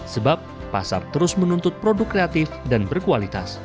sebab pasar terus menuntut produk kreatif dan berkualitas